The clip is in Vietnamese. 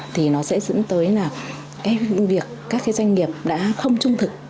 thì nó sẽ dẫn tới là các doanh nghiệp đã không trung thực